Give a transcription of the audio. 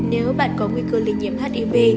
nếu bạn có nguy cơ lây nhiễm hiv